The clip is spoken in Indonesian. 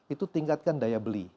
itu tingkatkan daya beli